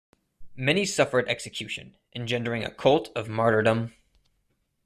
Many suffered execution, engendering a cult of martyrdom.